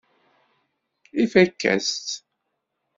Ifakk-as-tt.